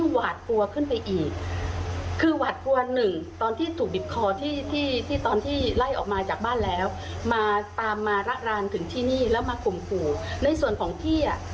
ในส่วนของที่คือเขาข่มขู่ที่จะเอาชีวิตจะตบให้ตาแตกจะตบให้แบบอะไรอย่างเนี่ย